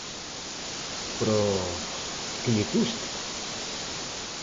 Pero ¿que lle custa?